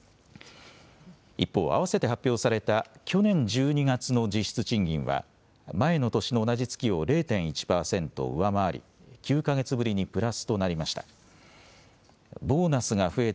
一方、併せて発表された去年１２月の実質賃金は、前の年の同じ月を０．１％上回り、９か月ぶりにプラスとなりました。